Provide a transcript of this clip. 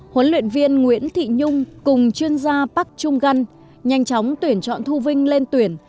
huấn luyện viên nguyễn thị nhung cùng chuyên gia bắc trung găn nhanh chóng tuyển chọn thu vinh lên tuyển